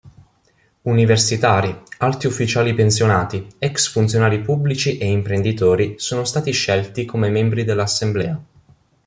Universitari, alti ufficiali pensionati, ex-funzionari pubblici e imprenditori sono stati scelti come membri dell'Assemblea.